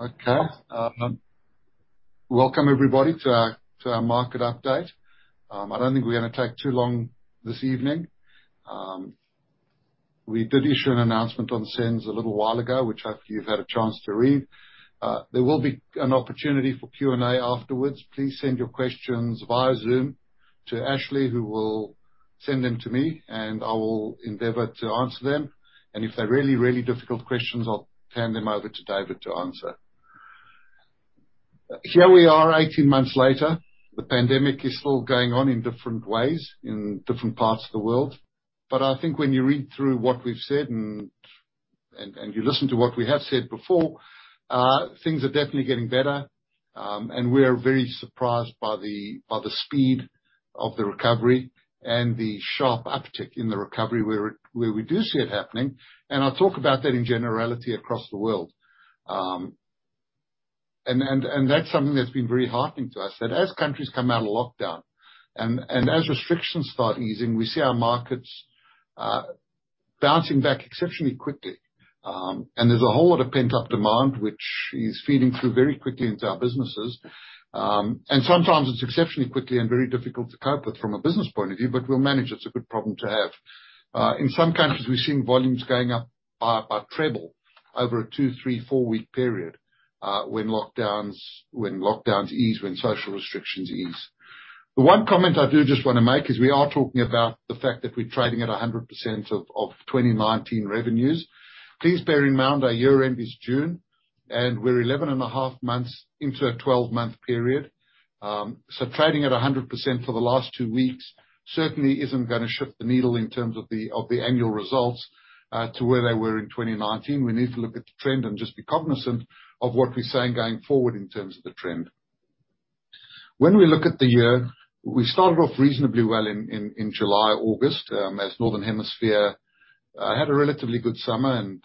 Okay. Welcome everybody to our market update. I don't think we're going to take too long this evening. We did issue an announcement on SENS a little while ago, which I hope you've had a chance to read. There will be an opportunity for Q&A afterwards. Please send your questions via Zoom to Ashley, who will send them to me, and I will endeavor to answer them. If they're really difficult questions, I'll hand them over to David to answer. Here we are 18 months later. The pandemic is still going on in different ways in different parts of the world. I think when you read through what we've said and you listen to what we have said before, things are definitely getting better. We are very surprised by the speed of the recovery and the sharp uptick in the recovery where we do see it happening. I'll talk about that in generality across the world. That's something that's been very heartening to us, that as countries come out of lockdown and as restrictions start easing, we see our markets bouncing back exceptionally quickly. There's a whole lot of pent-up demand, which is feeding through very quickly into our businesses. Sometimes it's exceptionally quickly and very difficult to cope with from a business point of view, but we'll manage. It's a good problem to have. In some countries, we're seeing volumes going up by treble over a two, three, four-week period, when lockdowns ease, when social restrictions ease. The one comment I do just want to make is we are talking about the fact that we're trading at 100% of 2019 revenues. Please bear in mind our year-end is June, and we're 11 and a half months into a 12-month period. Trading at 100% for the last two weeks certainly isn't going to shift the needle in terms of the annual results, to where they were in 2019. We need to look at the trend and just be cognizant of what we're saying going forward in terms of the trend. When we look at the year, we started off reasonably well in July, August. As the Northern Hemisphere had a relatively good summer and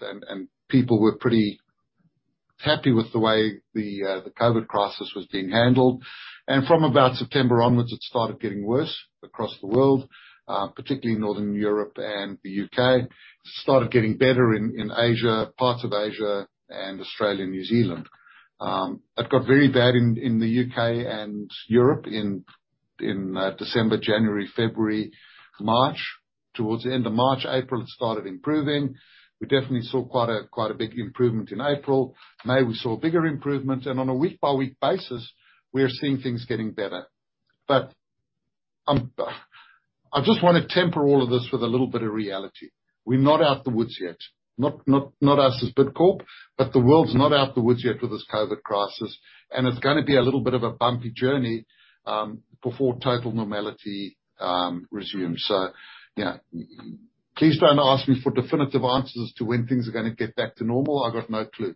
people were pretty happy with the way the COVID crisis was being handled. From about September onwards, it started getting worse across the world, particularly in Northern Europe and the U.K. It started getting better in Asia, parts of Asia, and Australia and New Zealand. It got very bad in the U.K. and Europe in December, January, February, March. Towards the end of March, April, it started improving. We definitely saw quite a big improvement in April. May, we saw a bigger improvement. On a week-by-week basis, we are seeing things getting better. I just want to temper all of this with a little bit of reality. We're not out of the woods yet. Not us as Bidcorp, but the world's not out of the woods yet with this COVID crisis, and it's going to be a little bit of a bumpy journey, before total normality resumes. Please don't ask me for definitive answers to when things are going to get back to normal. I've got no clue.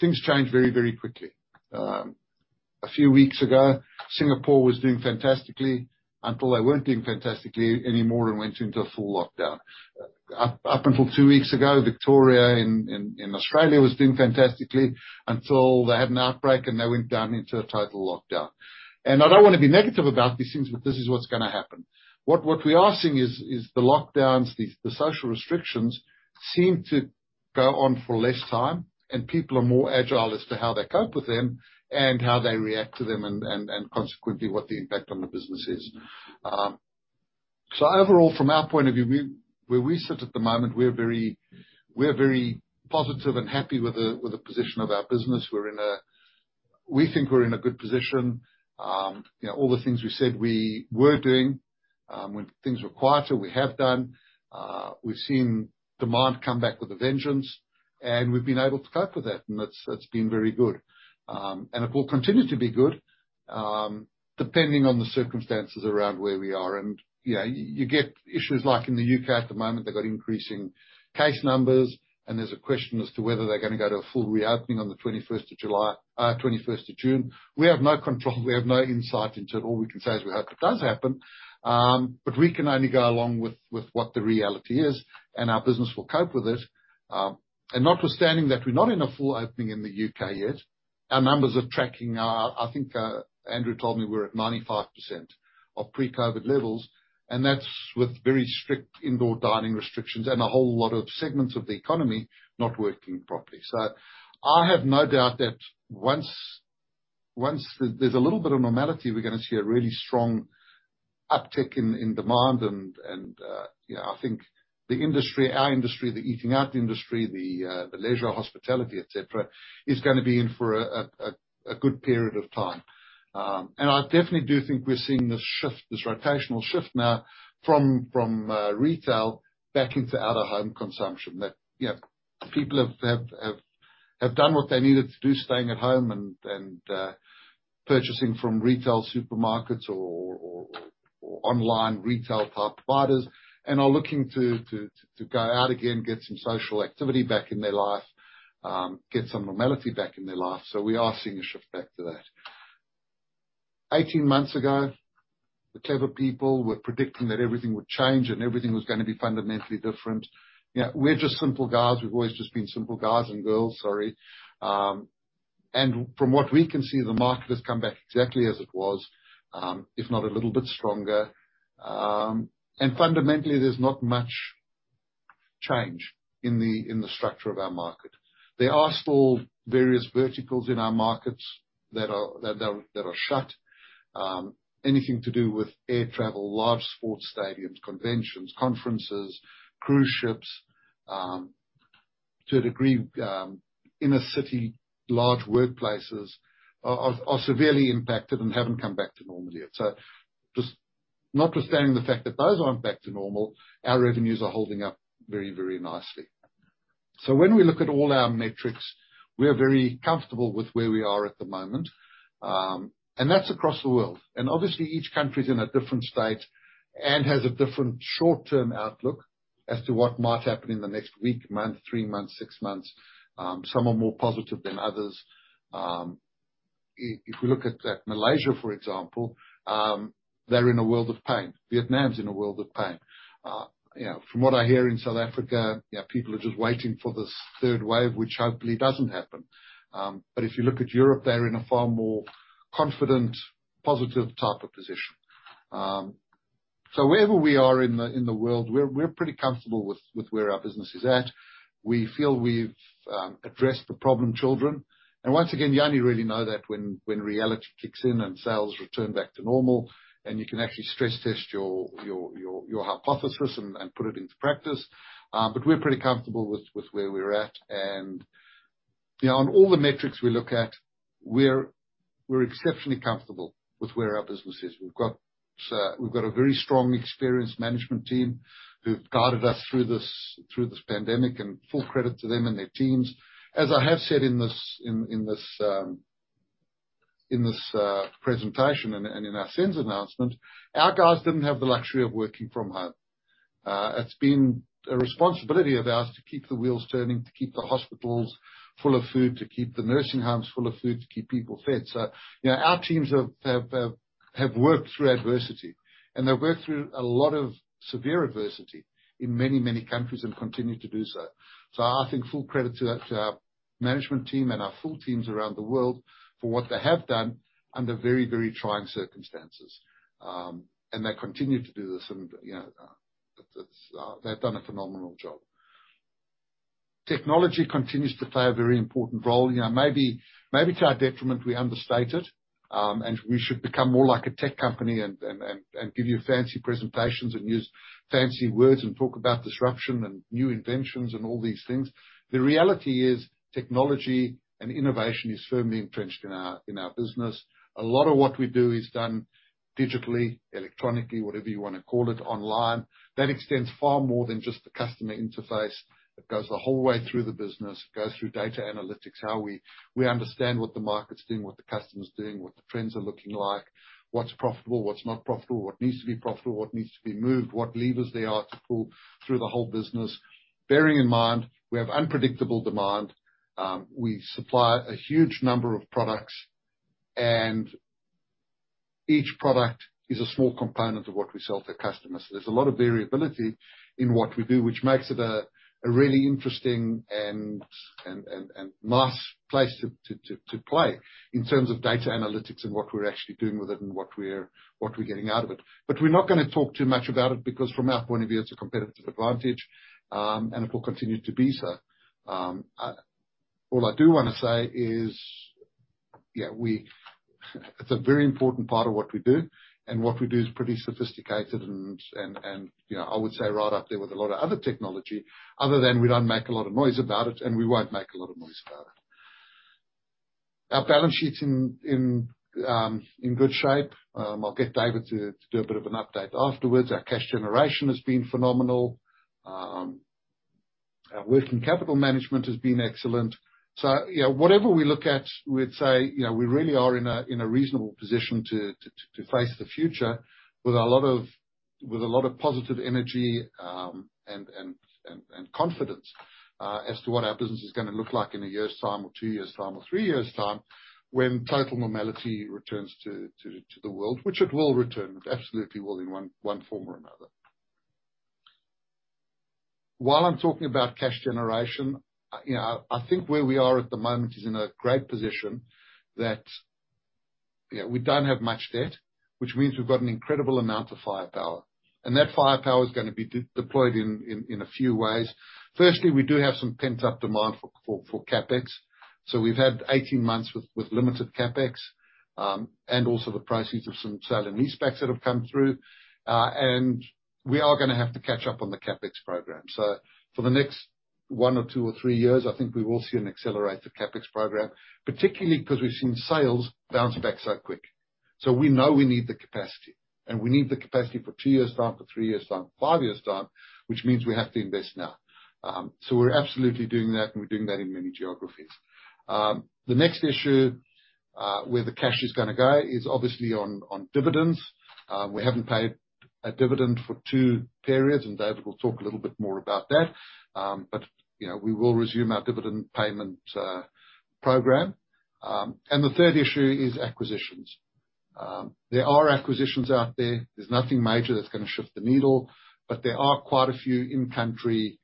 Things change very quickly. A few weeks ago, Singapore was doing fantastically until they weren't doing fantastically anymore and went into a full lockdown. Up until two weeks ago, Victoria in Australia was doing fantastically until they had an outbreak and they went down into a total lockdown. I don't want to be negative about these things, but this is what's going to happen. What we are seeing is the lockdowns, the social restrictions seem to go on for less time, and people are more agile as to how they cope with them and how they react to them and consequently, what the impact on the business is. Overall, from our point of view, where we sit at the moment, we're very positive and happy with the position of our business. We think we're in a good position. All the things we said we were doing, when things were quieter, we have done. We've seen demand come back with a vengeance, we've been able to cope with that, and that's been very good. It will continue to be good, depending on the circumstances around where we are. You get issues like in the U.K. at the moment, they've got increasing case numbers, and there's a question as to whether they're going to go to a full reopening on June 21. We have no control, we have no insight into it. All we can say is we hope it does happen. We can only go along with what the reality is and our business will cope with it. Notwithstanding that we're not in a full opening in the U.K. yet, our numbers are tracking. I think Andrew told me we're at 95% of pre-COVID levels, and that's with very strict indoor dining restrictions and a whole lot of segments of the economy not working properly. I have no doubt that once there's a little bit of normality, we're going to see a really strong uptick in demand. I think the industry, our industry, the eating out industry, the leisure hospitality, et cetera, is going to be in for a good period of time. I definitely do think we're seeing this shift, this rotational shift now from retail back into out-of-home consumption. That people have done what they needed to do staying at home and purchasing from retail supermarkets or online retail-type providers and are looking to go out again, get some social activity back in their life, get some normality back in their life. We are seeing a shift back to that. 18 months ago, the clever people were predicting that everything would change and everything was going to be fundamentally different. We're just simple guys. We've always just been simple guys and girls, sorry. From what we can see, the market has come back exactly as it was, if not a little bit stronger. Fundamentally, there's not much change in the structure of our market. There are still various verticals in our markets that are shut. Anything to do with air travel, live sports stadiums, conventions, conferences, cruise ships, to a degree, inner city, large workplaces are severely impacted and haven't come back to normal yet. Just notwithstanding the fact that those aren't back to normal, our revenues are holding up very nicely. When we look at all our metrics, we are very comfortable with where we are at the moment, and that's across the world. Obviously, each country is in a different state and has a different short-term outlook as to what might happen in the next week, month, three months, six months. Some are more positive than others. If we look at Malaysia, for example, they're in a world of pain. Vietnam's in a world of pain. From what I hear in South Africa, people are just waiting for this third wave, which hopefully doesn't happen. If you look at Europe, they're in a far more confident, positive type of position. Wherever we are in the world, we're pretty comfortable with where our business is at. We feel we've addressed the problem children. Once again, you only really know that when reality kicks in and sales return back to normal, and you can actually stress test your hypothesis and put it into practice. We're pretty comfortable with where we're at. On all the metrics we look at, we're exceptionally comfortable with where our business is. We've got a very strong, experienced management team who've guided us through this pandemic, and full credit to them and their teams. As I have said in this presentation and in our SENS announcement, our guys didn't have the luxury of working from home. It's been a responsibility of ours to keep the wheels turning, to keep the hospitals full of food, to keep the nursing homes full of food, to keep people fed. Our teams have worked through adversity, and they've worked through a lot of severe adversity in many, many countries and continue to do so. I think full credit to our management team and our full teams around the world for what they have done under very trying circumstances. They continue to do this, and they've done a phenomenal job. Technology continues to play a very important role. Maybe to our detriment, we understate it, and we should become more like a tech company and give you fancy presentations and use fancy words and talk about disruption and new inventions and all these things. The reality is technology and innovation is firmly entrenched in our business. A lot of what we do is done digitally, electronically, whatever you want to call it, online. That extends far more than just the customer interface. It goes the whole way through the business. It goes through data analytics, how we understand what the market's doing, what the customer's doing, what the trends are looking like, what's profitable, what's not profitable, what needs to be profitable, what needs to be moved, what levers there are to pull through the whole business. Bearing in mind, we have unpredictable demand. We supply a huge number of products, and each product is a small component of what we sell to customers. There's a lot of variability in what we do, which makes it a really interesting and nice place to play in terms of data analytics and what we're actually doing with it and what we're getting out of it. We're not going to talk too much about it because from our point of view, it's a competitive advantage, and it will continue to be so. All I do want to say is it's a very important part of what we do, and what we do is pretty sophisticated and I would say right up there with a lot of other technology, other than we don't make a lot of noise about it and we won't make a lot of noise about it. Our balance sheet's in good shape. I'll get David to do a bit of an update afterwards. Our cash generation has been phenomenal. Our working capital management has been excellent. Whatever we look at, we'd say we really are in a reasonable position to face the future with a lot of positive energy and confidence as to what our business is going to look like in a year's time or two years' time or three years' time when total normality returns to the world, which it will return. It absolutely will in one form or another. While I'm talking about cash generation, I think where we are at the moment is in a great position that we don't have much debt, which means we've got an incredible amount of firepower, and that firepower is going to be deployed in a few ways. Firstly, we do have some pent-up demand for CapEx. We've had 18 months with limited CapEx, and also the proceeds of some sale and leasebacks that have come through. We are going to have to catch up on the CapEx program. For the next one or two or three years, I think we will see an accelerated CapEx program, particularly because we've seen sales bounce back so quick. We know we need the capacity, and we need the capacity for two years' time, for three years' time, five years' time, which means we have to invest now. We're absolutely doing that, and we're doing that in many geographies. The next issue, where the cash is going to go is obviously on dividends. We haven't paid a dividend for two periods, and David will talk a little bit more about that. We will resume our dividend payment program. The third issue is acquisitions. There are acquisitions out there. There's nothing major that's going to shift the needle, but there are quite a few in-country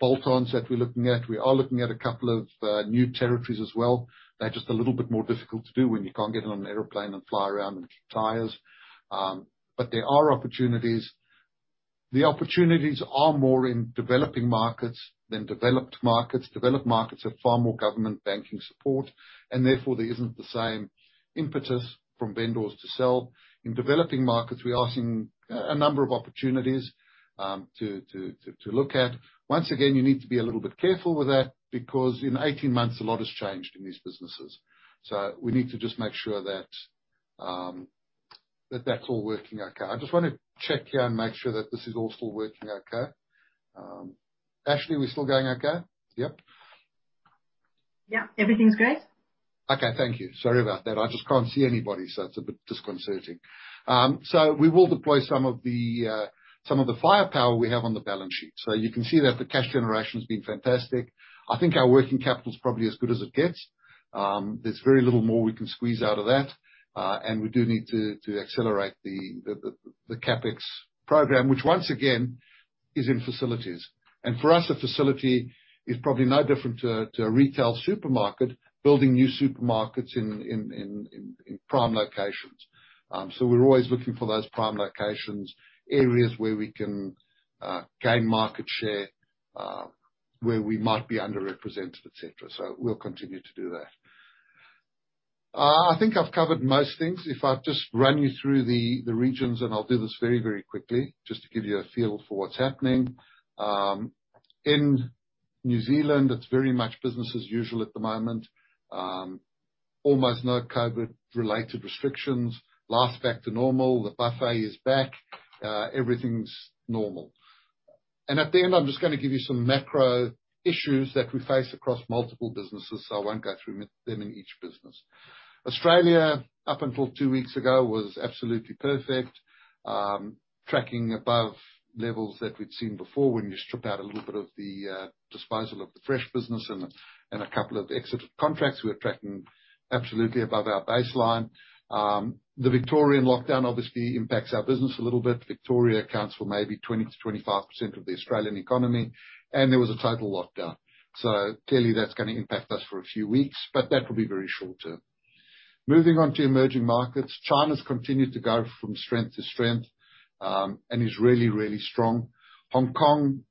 bolt-ons that we're looking at. We are looking at a couple of new territories as well. They're just a little bit more difficult to do when you can't get on an airplane and fly around and kick tires. There are opportunities. The opportunities are more in developing markets than developed markets. Developed markets have far more government banking support, and therefore there isn't the same impetus from vendors to sell. In developing markets, we are seeing a number of opportunities to look at. Once again, you need to be a little bit careful with that because in 18 months, a lot has changed in these businesses. We need to just make sure that's all working okay. I just want to check here and make sure that this is all still working okay. Ashley, we still going okay? Yep. Yeah. Everything's great. Okay. Thank you. Sorry about that. I just can't see anybody, so it's a bit disconcerting. We will deploy some of the firepower we have on the balance sheet. You can see that the cash generation has been fantastic. I think our working capital is probably as good as it gets. There's very little more we can squeeze out of that. We do need to accelerate the CapEx program, which once again, is in facilities. For us, a facility is probably no different to a retail supermarket, building new supermarkets in prime locations. We're always looking for those prime locations, areas where we can gain market share, where we might be underrepresented, et cetera. We'll continue to do that. I think I've covered most things. If I just run you through the regions, and I'll do this very quickly just to give you a feel for what's happening. In New Zealand, it's very much business as usual at the moment. Almost no COVID-related restrictions. Life's back to normal. The buffet is back. Everything's normal. At the end, I'm just going to give you some macro issues that we face across multiple businesses, so I won't go through them in each business. Australia, up until two weeks ago, was absolutely perfect. Tracking above levels that we'd seen before when you strip out a little bit of the disposal of the fresh business and a couple of exited contracts. We were tracking absolutely above our baseline. The Victorian lockdown obviously impacts our business a little bit. Victoria accounts for maybe 20%-25% of the Australian economy, and there was a total lockdown. Clearly that's gonna impact us for a few weeks, but that will be very short-term. Moving on to emerging markets. China's continued to go from strength to strength, and is really strong. Hong Kong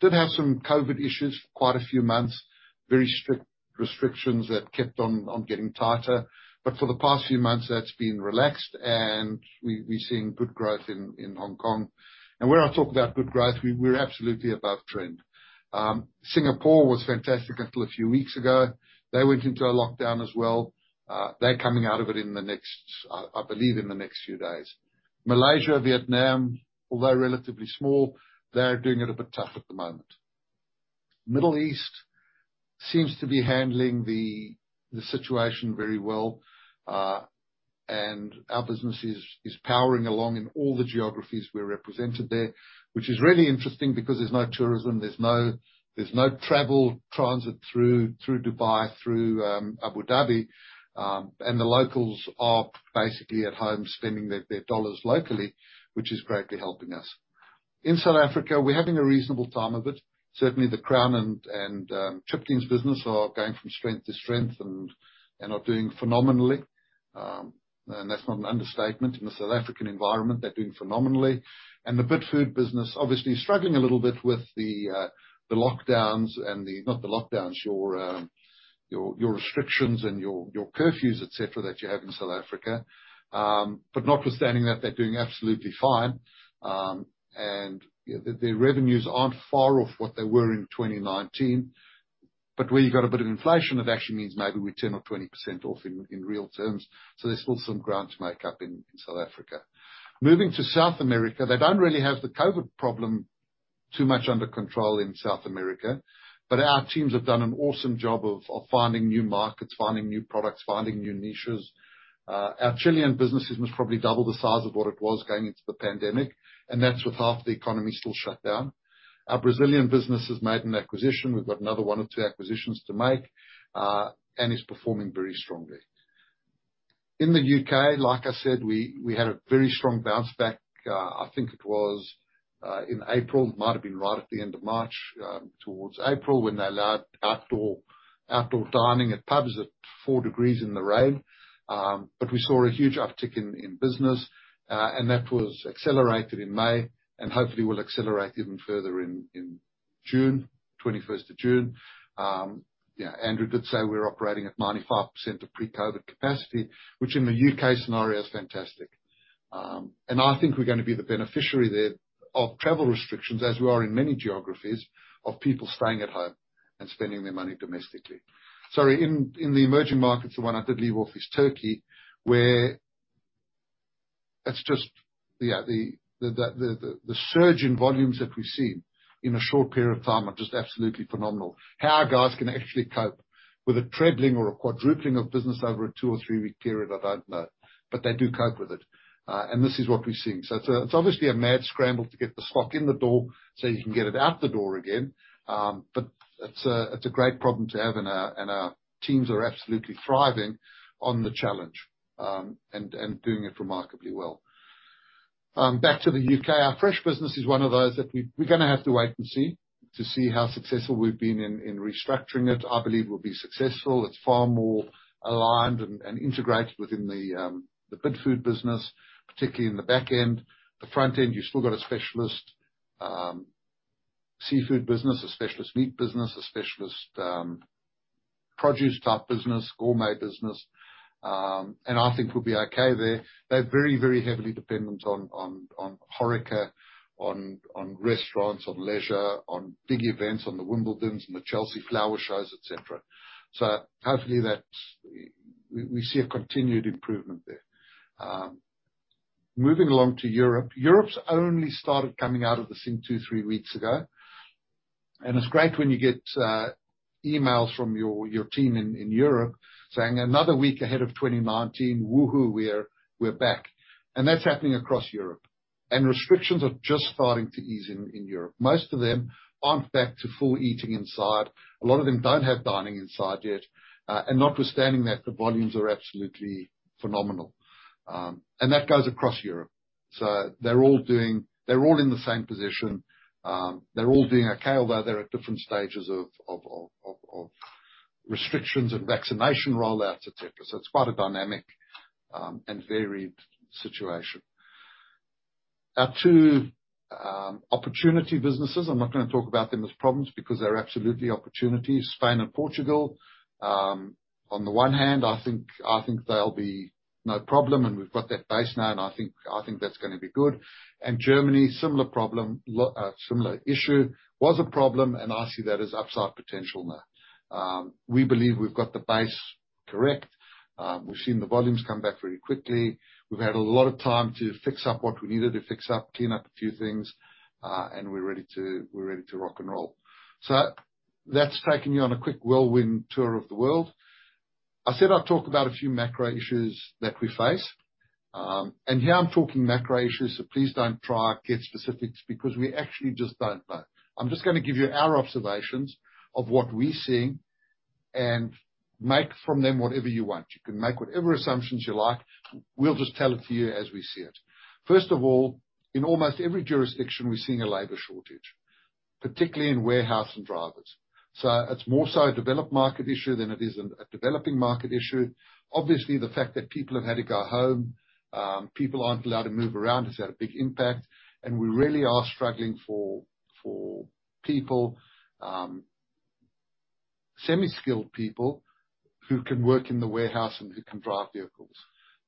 did have some COVID issues for quite a few months. Very strict restrictions that kept on getting tighter. For the past few months, that's been relaxed, and we're seeing good growth in Hong Kong. Where I talk about good growth, we're absolutely above trend. Singapore was fantastic until a few weeks ago. They went into a lockdown as well. They're coming out of it, I believe, in the next few days. Malaysia, Vietnam, although relatively small, they're doing it a bit tough at the moment. Middle East seems to be handling the situation very well. Our business is powering along in all the geographies we're represented there, which is really interesting because there's no tourism, there's no travel transit through Dubai, through Abu Dhabi. The locals are basically at home spending their dollars locally, which is greatly helping us. In South Africa, we're having a reasonable time of it. Certainly, the Crown and Chipkins business are going from strength to strength and are doing phenomenally. That's not an understatement. In the South African environment, they're doing phenomenally. The Bidfood business, obviously struggling a little bit with the lockdowns and the restrictions and your curfews, et cetera, that you have in South Africa. Notwithstanding that, they're doing absolutely fine. Their revenues aren't far off what they were in 2019. Where you've got a bit of inflation, that actually means maybe we're 10% or 20% off in real terms. There's still some ground to make up in South Africa. Moving to South America, they don't really have the COVID problem too much under control in South America. Our teams have done an awesome job of finding new markets, finding new products, finding new niches. Our Chilean business has most probably doubled the size of what it was going into the pandemic, and that's with half the economy still shut down. Our Brazilian business has made an acquisition. We've got another one or two acquisitions to make. It's performing very strongly. In the U.K., like I said, we had a very strong bounce back. I think it was in April. Might have been right at the end of March, towards April, when they allowed outdoor dining at pubs at four degrees in the rain. We saw a huge uptick in business. That was accelerated in May, and hopefully will accelerate even further in June, June 21. Yeah, Andrew did say we're operating at 95% of pre-COVID capacity, which in the U.K. scenario is fantastic. I think we're gonna be the beneficiary there of travel restrictions, as we are in many geographies, of people staying at home and spending their money domestically. Sorry, in the emerging markets, the one I did leave off is Turkey, where the surge in volumes that we've seen in a short period of time are just absolutely phenomenal. How our guys can actually cope with a trebling or a quadrupling of business over a two or three-week period, I don't know. They do cope with it. This is what we're seeing. It's obviously a mad scramble to get the stock in the door so you can get it out the door again. It's a great problem to have, and our teams are absolutely thriving on the challenge. Doing it remarkably well. Back to the U.K. Our fresh business is one of those that we're going to have to wait and see to see how successful we've been in restructuring it. I believe we'll be successful. It's far more aligned and integrated within the food business, particularly in the back end. The front end, you've still got a specialist seafood business, a specialist meat business, a specialist produce type business, gourmet business, and I think we'll be okay there. They're very, very heavily dependent on HORECA, on restaurants, on leisure, on big events, on the Wimbledons and the Chelsea Flower Shows, et cetera. Hopefully we see a continued improvement there. Moving along to Europe. Europe's only started coming out of this thing two, three weeks ago, and it's great when you get emails from your team in Europe saying, Another week ahead of 2019. Woo-hoo, we're back. That's happening across Europe. Restrictions are just starting to ease in Europe. Most of them aren't back to full eating inside. A lot of them don't have dining inside yet. Notwithstanding that, the volumes are absolutely phenomenal. That goes across Europe. They're all in the same position. They're all doing okay, although they're at different stages of restrictions and vaccination rollouts, et cetera. It's quite a dynamic and varied situation. Our two opportunity businesses, I'm not going to talk about them as problems because they're absolutely opportunities, Spain and Portugal. On the one hand, I think there'll be no problem, and we've got that base now, and I think that's going to be good. Germany, similar issue. Was a problem, and I see that as upside potential now. We believe we've got the base correct. We've seen the volumes come back very quickly. We've had a lot of time to fix up what we needed to fix up, clean up a few things, and we're ready to rock and roll. That's taken you on a quick whirlwind tour of the world. I said I'd talk about a few macro issues that we face. Here I'm talking macro issues, so please don't try and get specifics because we actually just don't know. I'm just going to give you our observations of what we're seeing, and make from them whatever you want. You can make whatever assumptions you like. We'll just tell it to you as we see it. First of all, in almost every jurisdiction, we're seeing a labor shortage, particularly in warehouse and drivers. It's more so a developed market issue than it is a developing market issue. Obviously, the fact that people have had to go home, people aren't allowed to move around has had a big impact, and we really are struggling for semi-skilled people who can work in the warehouse and who can drive vehicles.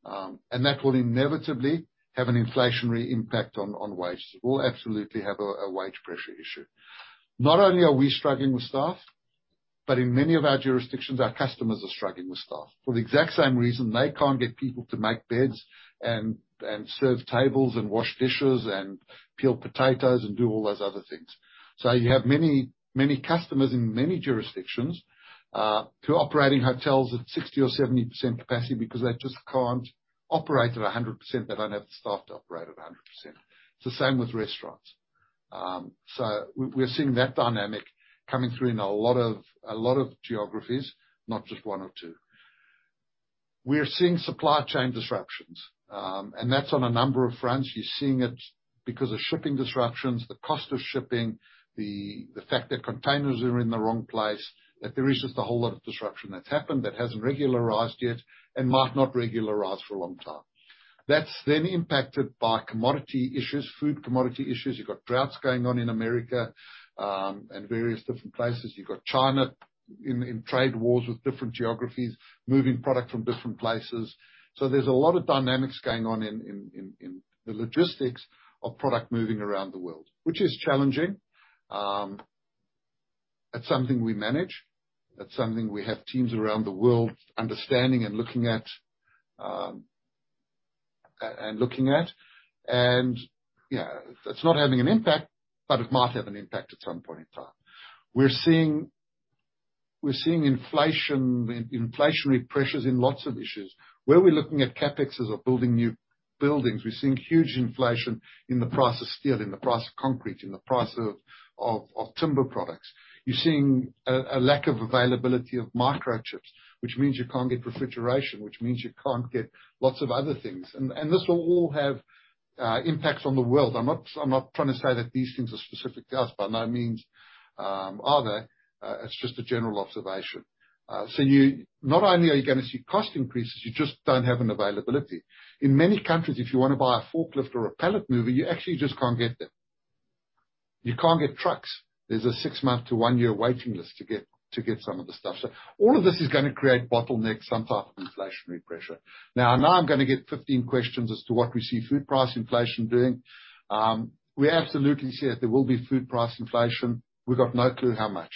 That will inevitably have an inflationary impact on wages. We'll absolutely have a wage pressure issue. Not only are we struggling with staff, but in many of our jurisdictions, our customers are struggling with staff. For the exact same reason, they can't get people to make beds and serve tables and wash dishes and peel potatoes and do all those other things. You have many customers in many jurisdictions who are operating hotels at 60% or 70% capacity because they just can't operate at 100%, they don't have the staff to operate at 100%. It's the same with restaurants. We're seeing that dynamic coming through in a lot of geographies, not just one or two. We are seeing supply chain disruptions, and that's on a number of fronts. You're seeing it because of shipping disruptions, the cost of shipping, the fact that containers are in the wrong place, that there is just a whole lot of disruption that's happened that hasn't regularized yet and might not regularize for a long time. That's then impacted by commodity issues, food commodity issues. You've got droughts going on in America, and various different places. You've got China in trade wars with different geographies, moving product from different places. There's a lot of dynamics going on in the logistics of product moving around the world, which is challenging. It's something we manage. It's something we have teams around the world understanding and looking at. Yeah, it's not having an impact, but it might have an impact at some point in time. We're seeing inflationary pressures in lots of issues. Where we're looking at CapEx as we're building new buildings, we're seeing huge inflation in the price of steel, in the price of concrete, in the price of timber products. You're seeing a lack of availability of microchips, which means you can't get refrigeration, which means you can't get lots of other things. This will all have impacts on the world. I'm not trying to say that these things are specific to us. By no means are they. It's just a general observation. Not only are you going to see cost increases, you just don't have an availability. In many countries, if you want to buy a forklift or a pallet mover, you actually just can't get them. You can't get trucks. There's a six-month to one-year waiting list to get some of the stuff. All of this is going to create bottlenecks, some type of inflationary pressure. Now I'm going to get 15 questions as to what we see food price inflation doing. We absolutely see that there will be food price inflation. We've got no clue how much.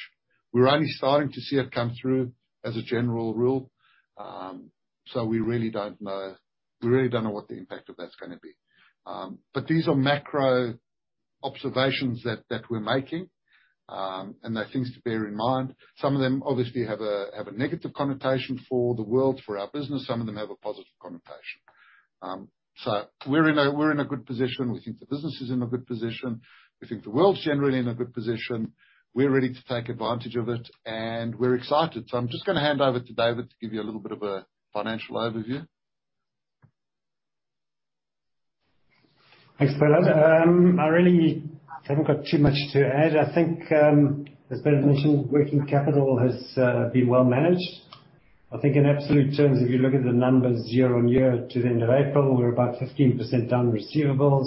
We're only starting to see it come through as a general rule, so we really don't know what the impact of that's going to be. These are macro observations that we're making, and they're things to bear in mind. Some of them obviously have a negative connotation for the world, for our business. Some of them have a positive connotation. We're in a good position. We think the business is in a good position. We think the world's generally in a good position. We're ready to take advantage of it, and we're excited. I'm just going to hand over to David to give you a little bit of a financial overview. Thanks, Bernard. I really haven't got too much to add. I think as Ben mentioned, working capital has been well managed. I think in absolute terms, if you look at the numbers year on year to the end of April, we're about 15% down receivables,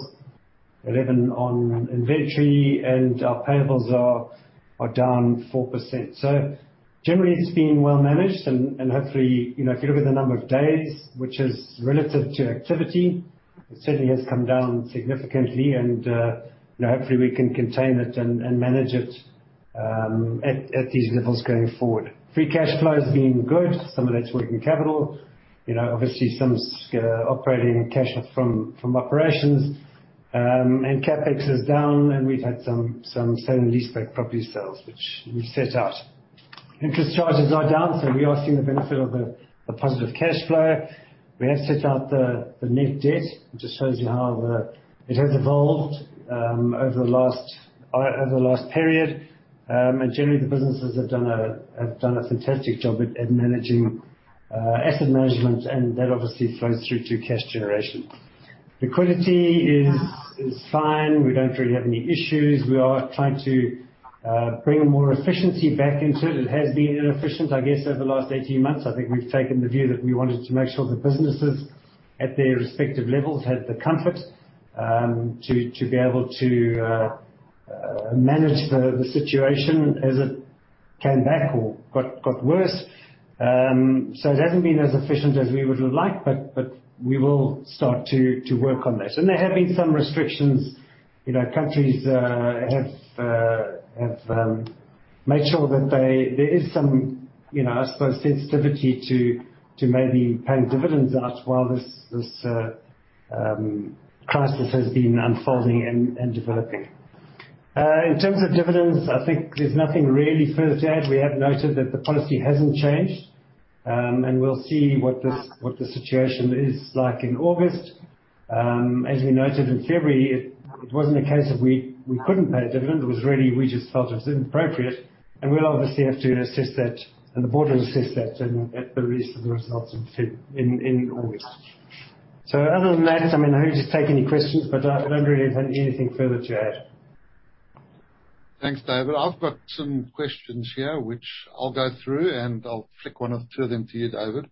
11% on inventory, and our payables are down 4%. Generally it's been well managed and hopefully, if you look at the number of days, which is relative to activity, it certainly has come down significantly and hopefully we can contain it and manage it at these levels going forward. Free cash flow has been good. Some of that's working capital. Obviously, some operating cash up from operations. CapEx is down, and we've had some sale and leaseback property sales, which we set out. Interest charges are down, so we are seeing the benefit of a positive cash flow. We have set out the net debt, which shows you how it has evolved over the last period. Generally the businesses have done a fantastic job at managing asset management, and that obviously flows through to cash generation. Liquidity is fine. We don't really have any issues. We are trying to bring more efficiency back into it. It has been inefficient, I guess, over the last 18 months. I think we've taken the view that we wanted to make sure the businesses, at their respective levels, had the comfort to be able to manage the situation as it came back or got worse. It hasn't been as efficient as we would have liked, but we will start to work on this. There have been some restrictions. Countries have made sure that there is some, I suppose, sensitivity to maybe paying dividends out while this crisis has been unfolding and developing. In terms of dividends, I think there's nothing really further to add. We have noted that the policy hasn't changed, and we'll see what the situation is like in August. As we noted in February, it wasn't a case of we couldn't pay a dividend. It was really, we just felt it's inappropriate, and we'll obviously have to assess that, and the board will assess that at the release of the results in August. Other than that, I'm happy to take any questions, but I don't really have anything further to add. Thanks, David. I've got some questions here which I'll go through, and I'll flick one or two of them to you, David.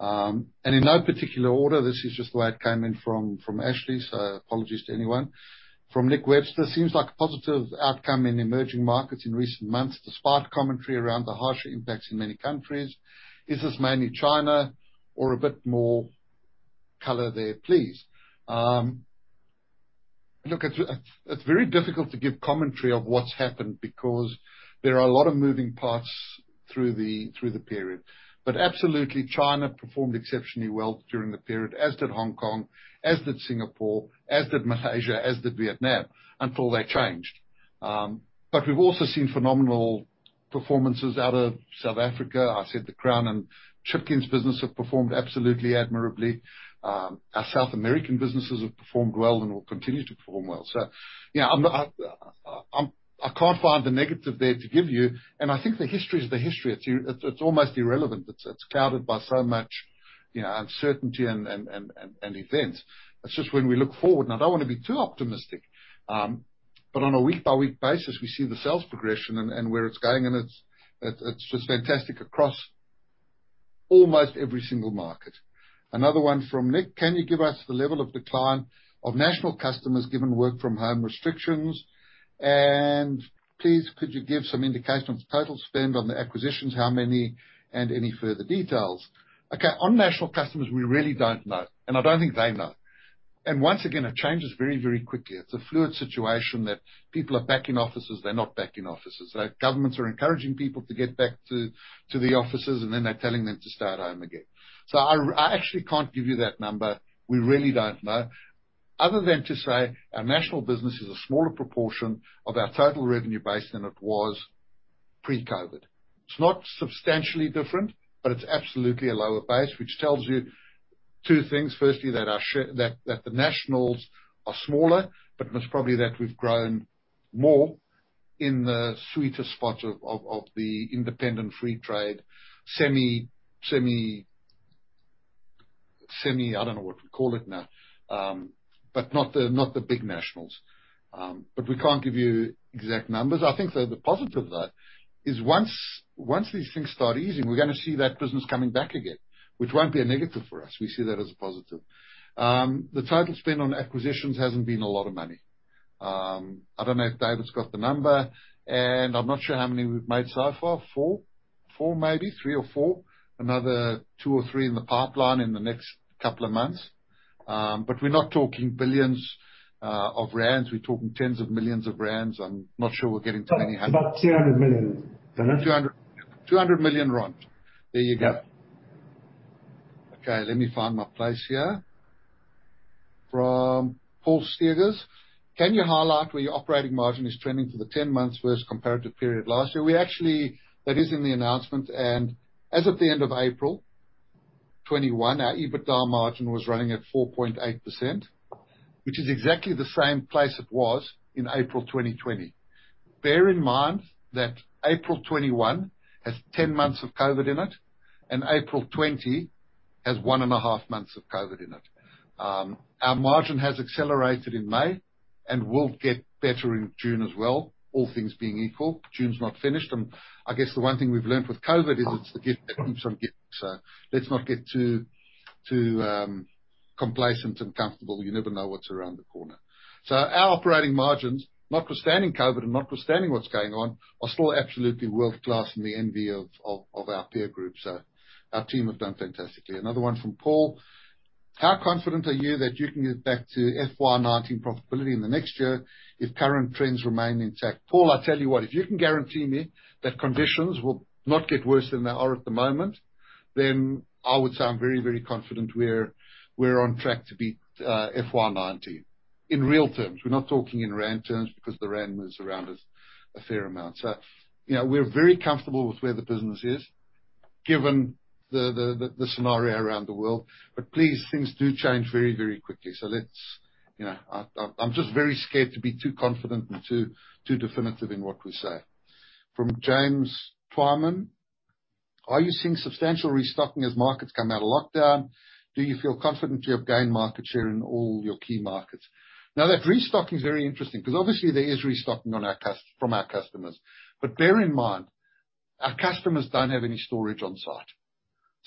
In no particular order, this is just the way it came in from Ashley, so apologies to anyone. From Nick Webster, seems like a positive outcome in emerging markets in recent months, despite commentary around the harsher impacts in many countries. Is this mainly China or a bit more color there, please? Look, it's very difficult to give commentary of what's happened because there are a lot of moving parts through the period. Absolutely, China performed exceptionally well during the period, as did Hong Kong, as did Singapore, as did Malaysia, as did Vietnam, until they changed. We've also seen phenomenal performances out of South Africa. I said the Crown and Chipkins business have performed absolutely admirably. Our South American businesses have performed well and will continue to perform well. Yeah, I can't find the negative there to give you. I think the history is the history. It's almost irrelevant. It's clouded by so much uncertainty and events. It's just when we look forward, and I don't want to be too optimistic, but on a week by week basis, we see the sales progression and where it's going, and it's just fantastic across almost every single market. Another one from Nick. Can you give us the level of decline of national customers given work from home restrictions? Please, could you give some indication of total spend on the acquisitions, how many, and any further details? Okay. On national customers, we really don't know, and I don't think they know. Once again, it changes very, very quickly. It's a fluid situation that people are back in offices, they're not back in offices. Governments are encouraging people to get back to the offices, and then they're telling them to stay at home again. I actually can't give you that number. We really don't know. Other than to say our national business is a smaller proportion of our total revenue base than it was pre-COVID. It's not substantially different, but it's absolutely a lower base, which tells you two things. Firstly, that the nationals are smaller, but most probably that we've grown more in the sweeter spots of the independent free trade, I don't know what to call it now. Not the big nationals. We can't give you exact numbers. I think though the positive though, is once these things start easing, we're going to see that business coming back again, which won't be a negative for us. We see that as a positive. The total spend on acquisitions hasn't been a lot of money. I don't know if David's got the number, and I'm not sure how many we've made so far. Four? Four maybe. Three or four. Another two or three in the pipeline in the next couple of months. We're not talking billions of rands. We're talking tens of millions of rands. I'm not sure we're getting to any- About 200 million. 200 million rand. There you go. Okay, let me find my place here. From Paul Steger, can you highlight where your operating margin is trending for the 10 months versus comparative period last year? That is in the announcement, and as of the end of April 2021, our EBITDA margin was running at 4.8%, which is exactly the same place it was in April 2020. Bear in mind that April 2021 has 10 months of COVID in it and April 2020 has one and a half months of COVID in it. Our margin has accelerated in May and will get better in June as well, all things being equal. June's not finished. I guess the one thing we've learned with COVID is it's the gift that keeps on giving. Let's not get too complacent and comfortable. You never know what's around the corner. Our operating margins, notwithstanding COVID and notwithstanding what's going on, are still absolutely world-class and the envy of our peer groups. Our team have done fantastically. Another one from Paul. How confident are you that you can get back to FY 2019 profitability in the next year if current trends remain intact? Paul, I tell you what, if you can guarantee me that conditions will not get worse than they are at the moment, then I would say I'm very confident we're on track to beat FY 2019 in real terms. We're not talking in rand terms because the rand moves around a fair amount. We're very comfortable with where the business is given the scenario around the world. Please, things do change very quickly. I'm just very scared to be too confident and too definitive in what we say. From James Twyman, are you seeing substantial restocking as markets come out of lockdown? Do you feel confident you have gained market share in all your key markets? Now that restocking is very interesting because obviously there is restocking from our customers. Bear in mind, our customers don't have any storage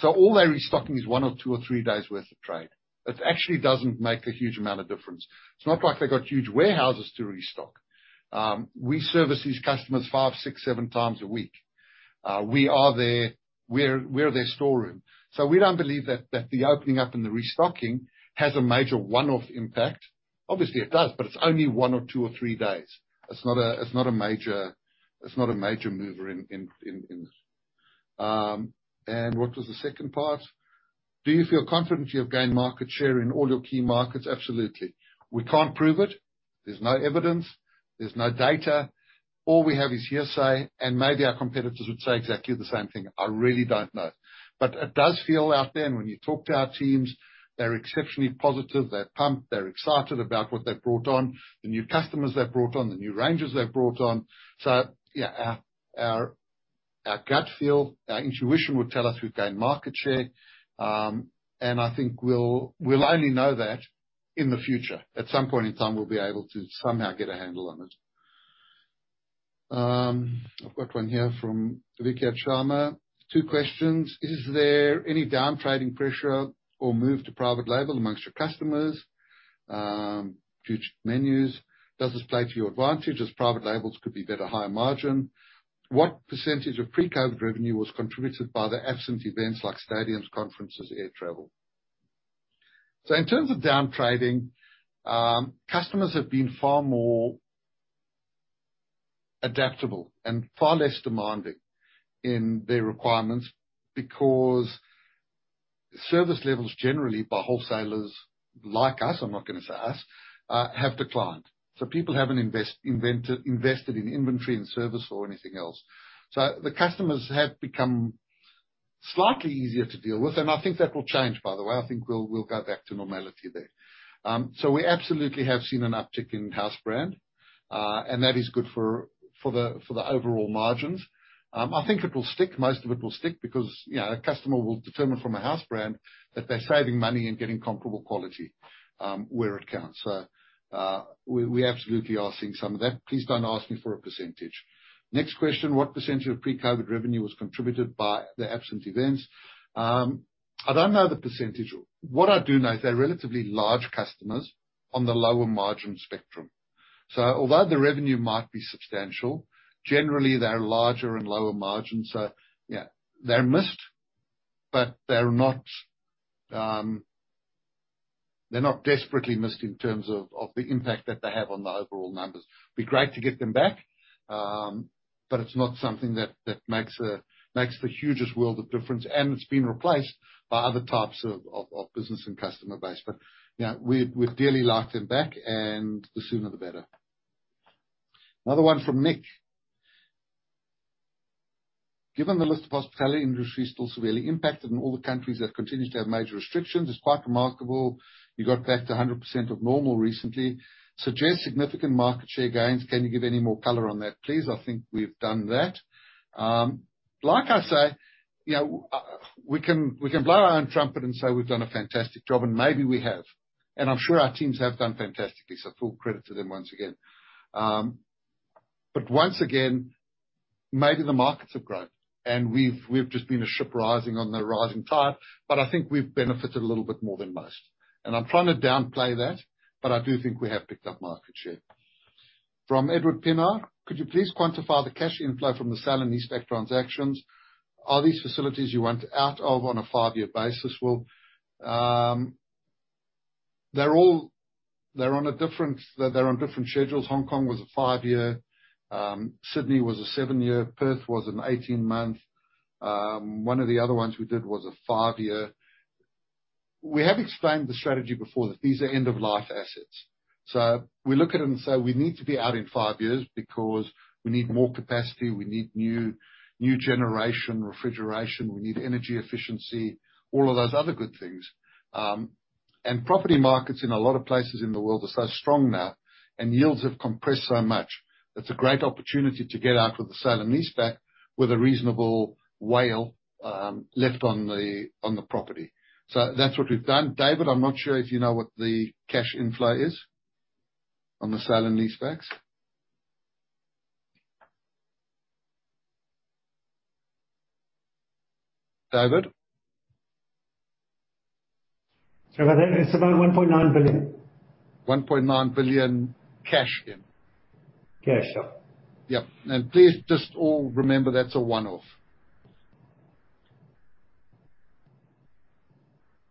on-site. All their restocking is one or two or three days worth of trade. It actually doesn't make a huge amount of difference. It's not like they got huge warehouses to restock. We service these customers five, six, seven times a week. We are their storeroom. We don't believe that the opening up and the restocking has a major one-off impact. Obviously it does, but it's only one or two or three days. It's not a major mover in this. What was the second part? Do you feel confident you have gained market share in all your key markets? Absolutely. We can't prove it. There's no evidence. There's no data. All we have is hearsay, and maybe our competitors would say exactly the same thing. I really don't know. It does feel out there, and when you talk to our teams, they're exceptionally positive. They're pumped. They're excited about what they've brought on, the new customers they've brought on, the new ranges they've brought on. Yeah, our gut feel, our intuition would tell us we've gained market share. I think we'll only know that in the future. At some point in time, we'll be able to somehow get a handle on it. I've got one here from Vikas Sharma. Two questions. Is there any downtrading pressure or move to private label amongst your customers due to menus? Does this play to your advantage as private labels could be better higher margin? What percentage of pre-COVID revenue was contributed by the absent events like stadiums, conferences, air travel? In terms of downtrading, customers have been far more adaptable and far less demanding in their requirements because service levels generally by wholesalers like us, I'm not gonna say us, have declined. People haven't invested in inventory and service or anything else. The customers have become slightly easier to deal with, and I think that will change, by the way. I think we'll go back to normality there. We absolutely have seen an uptick in house brand, and that is good for the overall margins. I think it will stick. Most of it will stick because a customer will determine from a house brand that they're saving money and getting comparable quality where it counts. We absolutely are seeing some of that. Please don't ask me for a percentage. Next question, what percentage of pre-COVID revenue was contributed by the absent events? I don't know the percentage. What I do know is they're relatively large customers on the lower margin spectrum. Although the revenue might be substantial, generally they're larger and lower margin. Yeah, they're missed, but they're not desperately missed in terms of the impact that they have on the overall numbers. Be great to get them back, but it's not something that makes the hugest world of difference, and it's been replaced by other types of business and customer base. We'd dearly like them back and the sooner the better. Another one from Nick. Given the list of hospitality industries still severely impacted in all the countries that continue to have major restrictions, it's quite remarkable you got back to 100% of normal recently, suggests significant market share gains. Can you give any more color on that, please? I think we've done that. Like I say, we can blow our own trumpet and say we've done a fantastic job, and maybe we have. I'm sure our teams have done fantastically, so full credit to them once again. Once again, maybe the markets have grown, and we've just been a ship rising on the rising tide, but I think we've benefited a little bit more than most. I'm trying to downplay that, but I do think we have picked up market share. From Edward Pinner. Could you please quantify the cash inflow from the sale and leaseback transactions? Are these facilities you want out of on a five-year basis? Well, they're on different schedules. Hong Kong was a five-year. Sydney was a seven-year. Perth was an 18-month. One of the other ones we did was a five-year. We have explained the strategy before that these are end-of-life assets. We look at them and say we need to be out in five years because we need more capacity. We need new generation refrigeration. We need energy efficiency, all of those other good things. Property markets in a lot of places in the world are so strong now, and yields have compressed so much. It's a great opportunity to get out of the sale and leaseback with a reasonable while left on the property. That's what we've done. David, I'm not sure if you know what the cash inflow is on the sale and leasebacks. David? It is about 1.9 billion. 1.9 billion cash in? Cash, yeah. Yep. Please just all remember that's a one-off.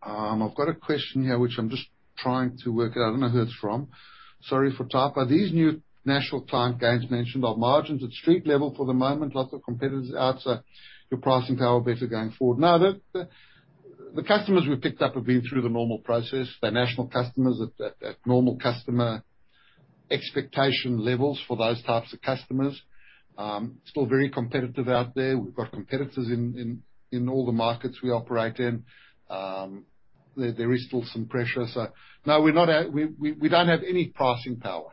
I've got a question here which I'm just trying to work out. I don't know who it's from. Sorry for typo. These new national client gains mentioned are margins at street level for the moment. Lots of competitors out, your pricing power better going forward. No, the customers we've picked up have been through the normal process. They're national customers at normal customer expectation levels for those types of customers. Still very competitive out there. We've got competitors in all the markets we operate in. There is still some pressure. No, we don't have any pricing power.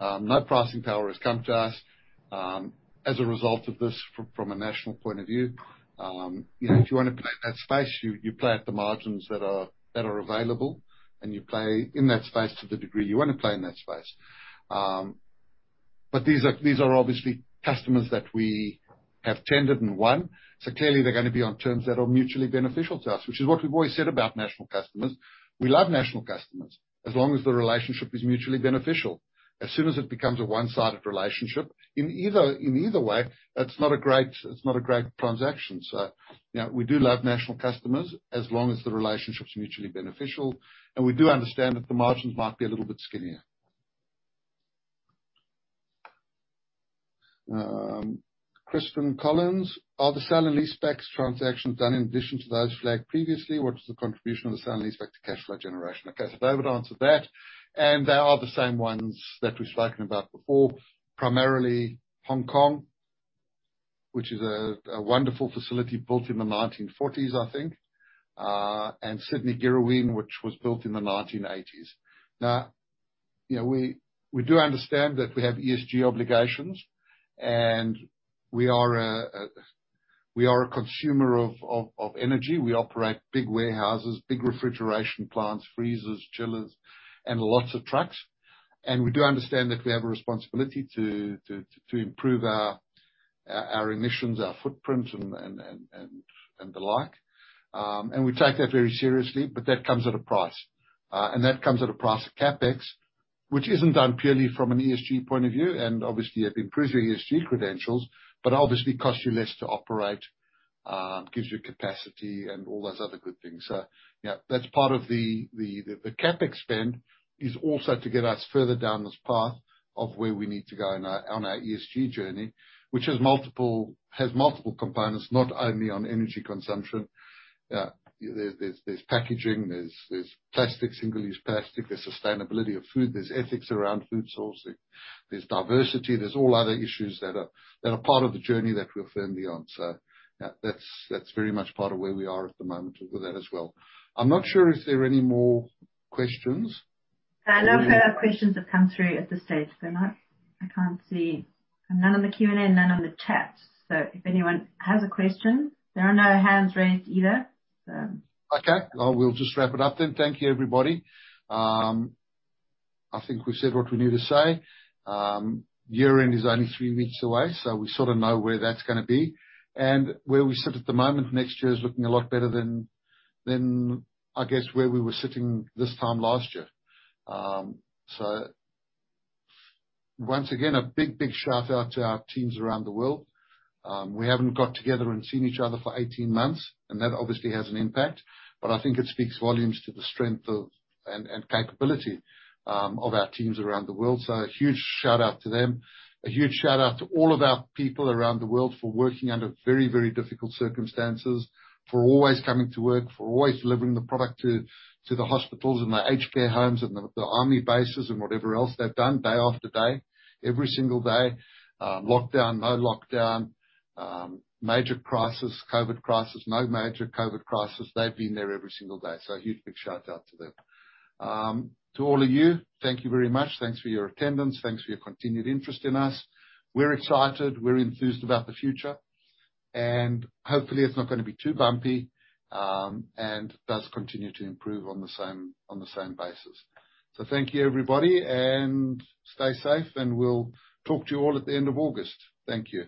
No pricing power has come to us, as a result of this from a national point of view. If you want to play in that space, you play at the margins that are available, and you play in that space to the degree you want to play in that space. These are obviously customers that we have tended and won. Clearly they're going to be on terms that are mutually beneficial to us, which is what we've always said about national customers. We love national customers, as long as the relationship is mutually beneficial. As soon as it becomes a one-sided relationship in either way, it's not a great transaction. Yeah, we do love national customers, as long as the relationship's mutually beneficial, and we do understand that the margins might be a little bit skinnier. Christopher Collins, Are the sale and leasebacks transactions done in addition to those flagged previously? What is the contribution of the sale and leaseback to cash flow generation? David answered that. They are the same ones that we've spoken about before, primarily Hong Kong, which is a wonderful facility built in the 1940s, I think, and Sydney Girraween, which was built in the 1980s. Now, we do understand that we have ESG obligations. We are a consumer of energy. We operate big warehouses, big refrigeration plants, freezers, chillers, and lots of trucks. We do understand that we have a responsibility to improve our emissions, our footprint, and the like. We take that very seriously, but that comes at a price. That comes at a price of CapEx, which isn't done purely from an ESG point of view, and obviously it improves your ESG credentials, but obviously costs you less to operate, gives you capacity, and all those other good things. Yeah, that's part of the CapEx spend is also to get us further down this path of where we need to go on our ESG journey, which has multiple components, not only on energy consumption. There's packaging, there's plastics, single-use plastic, there's sustainability of food, there's ethics around food sourcing, there's diversity, there's all other issues that are part of the journey that we're firmly on. Yeah, that's very much part of where we are at the moment with that as well. I'm not sure if there are any more questions. No further questions have come through at this stage. No. I can't see none on the Q&A, none on the chats. If anyone has a question. There are no hands raised either. Well, we'll just wrap it up then. Thank you everybody. I think we've said what we need to say. Year-end is only three weeks away, so we sort of know where that's going to be. Where we sit at the moment, next year is looking a lot better than, I guess, where we were sitting this time last year. Once again, a big, big shout-out to our teams around the world. We haven't got together and seen each other for 18 months, and that obviously has an impact. I think it speaks volumes to the strength and capability of our teams around the world. A huge shout-out to them. A huge shout-out to all of our people around the world for working under very, very difficult circumstances, for always coming to work, for always delivering the product to the hospitals and the aged care homes and the army bases and whatever else they've done day after day, every single day. Lockdown, no lockdown, major crisis, COVID crisis, no major COVID crisis. They've been there every single day, so a huge, big shout-out to them. To all of you, thank you very much. Thanks for your attendance. Thanks for your continued interest in us. We're excited. We're enthused about the future. Hopefully it's not going to be too bumpy, and does continue to improve on the same basis. Thank you everybody, and stay safe, and we'll talk to you all at the end of August. Thank you.